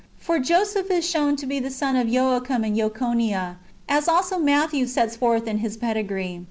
For Joseph is shown to be the son of Joachim and Jechoniah, as also Matthew sets forth in his pedigree.